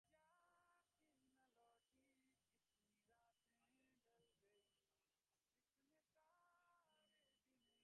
তার ভেতর উল্লেখযোগ্য হচ্ছে খাওয়াদাওয়া বন্ধ করে রোদে বসে থাকা।